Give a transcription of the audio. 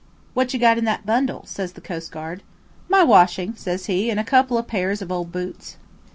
"'What you got in that bundle?' says the coastguard. "'My washing,' says he, 'and a couple of pairs of old boots.'